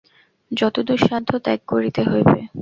যতদূর সাধ্য ত্যাগ করিতে হইবে।